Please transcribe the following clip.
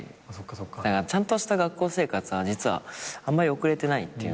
だからちゃんとした学校生活は実はあんまり送れてないっていうのはあるかな。